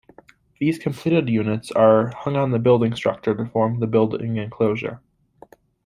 These completed units are hung on the building structure to form the building enclosure.